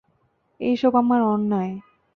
এই সব আমার অন্যায়!